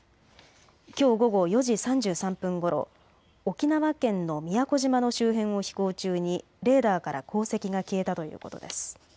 きょう午後４時３３分ごろ、沖縄県の宮古島の周辺を飛行中にレーダーから航跡が消えたということです。